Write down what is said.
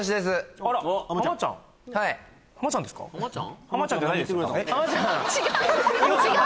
あらハマちゃん？